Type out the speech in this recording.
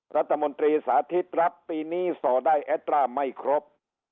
รัฐมนตรีสาธิตรับปีนี้ส่อได้แอดร่าไม่ครบ